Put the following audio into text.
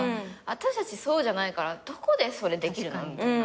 私たちそうじゃないからどこでそれできるの？みたいな。